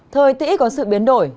thời tỉ có sự biến đổi